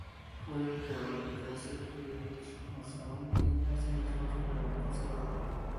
Fue el creador del Kaiser Friedrich Museum, y asimismo su primer conservador.